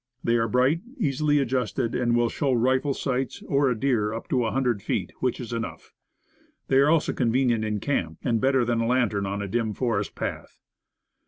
They are bright, easily adjusted, and will show rifle sights, or a deer, up to 100 feet which is enough. They are also convenient in camp, and better than a lantern on a dim forest path.